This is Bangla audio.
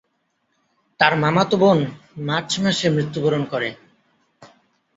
তার মামাতো বোন মার্চ মাসে মৃত্যুবরণ করে।